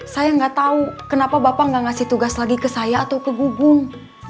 saya nggak tahu kenapa bapak nggak ngasih tugas lagi ke saya atau ke gubung